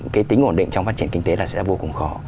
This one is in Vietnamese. cái tính ổn định trong phát triển kinh tế là sẽ vô cùng khó